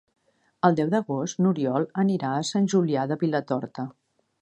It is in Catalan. El deu d'agost n'Oriol anirà a Sant Julià de Vilatorta.